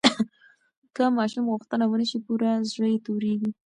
که ماشوم غوښتنه ونه شي پوره، زړه یې تورېږي.